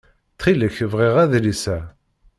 Ttxil-k bɣiɣ adlis-a.